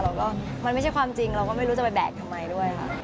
แล้วก็มันไม่ใช่ความจริงเราก็ไม่รู้จะไปแบกทำไมด้วยค่ะ